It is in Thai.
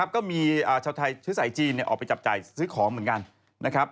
ก็มีชาวไทยเชื้อสายจีนออกไปจับจ่ายซื้อของเหมือนกันนะครับ